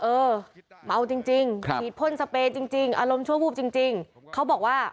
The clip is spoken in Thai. เออมาเอาจริงจริงครับจริงจริงอารมณ์ชั่วพูดจริงจริงเขาบอกว่า